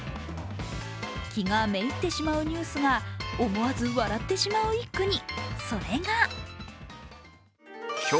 気が滅入ってしまうニュースが思わず笑ってしまう一句に。